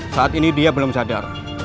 saat ini dia belum sadar